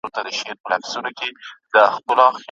د تورو وریځو به غړومبی وي خو باران به نه وي